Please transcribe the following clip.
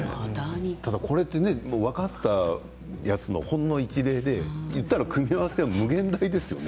これは分かったやつのほんの一例で言ったら、組み合わせは無限大ですよね。